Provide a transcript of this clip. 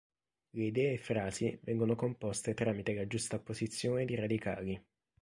Le idee e frasi vengono composte tramite la giustapposizione di radicali.